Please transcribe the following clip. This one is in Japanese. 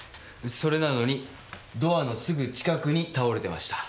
それなのにドアのすぐ近くに倒れてました。